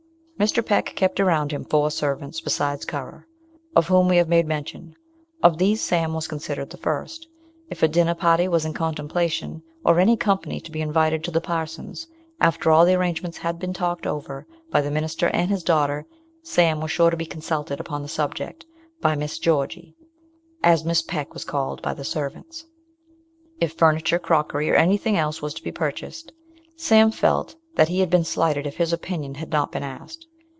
MR. PECK kept around him four servants besides Currer, of whom we have made mention: of these, Sam was considered the first. If a dinner party was in contemplation, or any company to be invited to the parson's, after all the arrangements had been talked over by the minister and his daughter, Sam was sure to be consulted upon the subject by "Miss Georgy," as Miss Peck was called by the servants. If furniture, crockery, or anything else was to be purchased, Sam felt that he had been slighted if his opinion had not been asked.